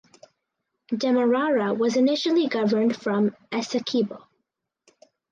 Demerara was initially governed from Essequibo.